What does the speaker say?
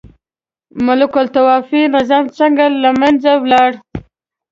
ملوک الطوایفي نظام څنګه له منځه ولاړ؟